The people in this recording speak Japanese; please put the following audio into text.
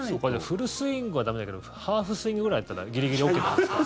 フルスイングは駄目だけどハーフスイングぐらいだったらギリギリＯＫなんですか？